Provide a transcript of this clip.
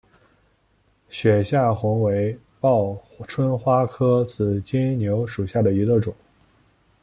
雪下红为报春花科紫金牛属下的一个种。